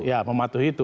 ya mematuhi itu